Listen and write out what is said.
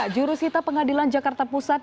jurusita pengadilan jakarta pusat